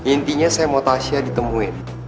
intinya saya mau tasya ditemuin